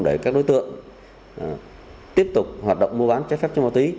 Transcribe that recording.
để các đối tượng tiếp tục hoạt động mua bán trái phép chất ma túy